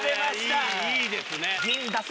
いやいいですね。